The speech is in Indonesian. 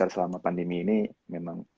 selama pandemi ini memang